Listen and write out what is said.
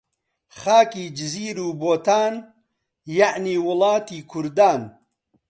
خاکی جزیر و بۆتان، یەعنی وڵاتی کوردان